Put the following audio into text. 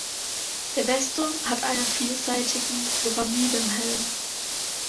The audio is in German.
Der Westturm hat einen vierseitigen Pyramidenhelm.